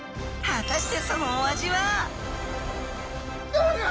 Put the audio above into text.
果たしてそのお味は！？